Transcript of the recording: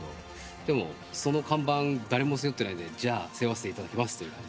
でもその看板誰も背負ってないんでじゃあ背負わせていただきますと。